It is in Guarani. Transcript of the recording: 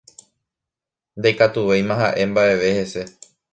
Ndaikatuvéima ha'e mba'eve hese.